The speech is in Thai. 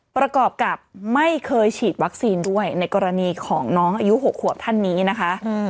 ประกอบกับไม่เคยฉีดวัคซีนด้วยในกรณีของน้องอายุ๖ขวบท่านนี้นะคะ